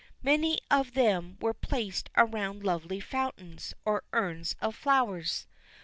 Many of them were placed around lovely fountains, or urns of flowers.